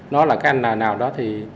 nó là cái n nào đó thì